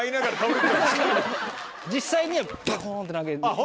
実際にはバコン！って投げる。